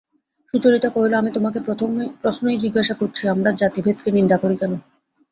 সুচরিতা কহিল, আমি তোমাকে প্রশ্নই জিজ্ঞাসা করছি, আমরা জাতিভেদকে নিন্দা করি কেন?